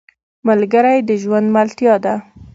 ملګری د ژوند ملتیا ده